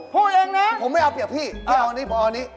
พูดเองนะผมไม่เอาเปรียบพี่ไม่เอาอันนี้พออันนี้